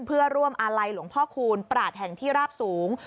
เพื่อร่วมอาลัยหลวงพ่อคูณปราศแห่งที่ราบสูง